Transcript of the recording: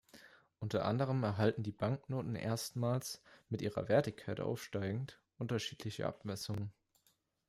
Unter anderem erhalten die Banknoten erstmals, mit ihrer Wertigkeit aufsteigend, unterschiedliche Abmessungen.